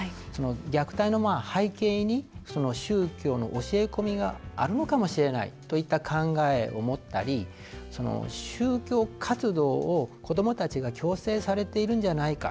虐待の背景に宗教の教え込みがあるのかもしれないといった考えを持ったり宗教活動を子どもたちが強制されているんじゃないか。